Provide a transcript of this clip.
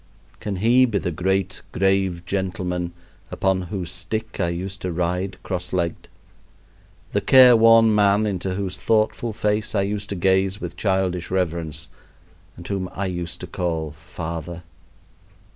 Can he be the great, grave gentleman upon whose stick I used to ride crosslegged, the care worn man into whose thoughtful face I used to gaze with childish reverence and whom I used to call "father?"